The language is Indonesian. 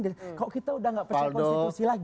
kalau kita sudah mengajak kita untuk hal yang paling penting